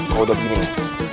kalau udah gini nih